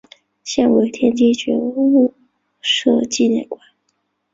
现为天津觉悟社纪念馆。